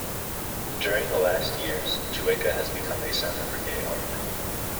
During the last years Chueca has become a center for gay art.